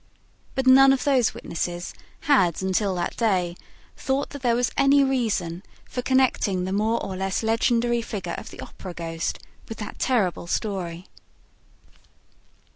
But none of those witnesses had until that day thought that there was any reason for connecting the more or less legendary figure of the Opera ghost with that terrible story.